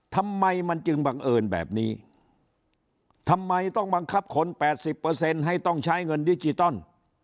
ทำไมมันจึงบังเอิญแบบนี้ทำไมต้องบังคับคน๘๐ให้ต้องใช้เงินดิจิตอล